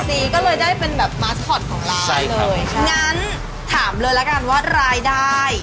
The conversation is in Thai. งั้นถามเลยแล้วกันว่ารายได้